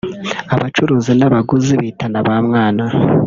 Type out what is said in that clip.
Abacuruzi n’abaguzi bitana ba mwana